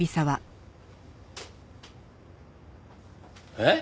えっ？